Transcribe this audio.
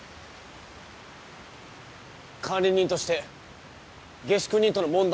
管理人として下宿人との問題解決に来た。